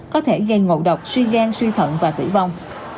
có thể gây ngộ độc suy gan suy thận và tử vong